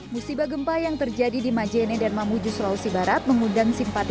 musibah gempa yang terjadi di majene dan mamuju sulawesi barat mengundang simpati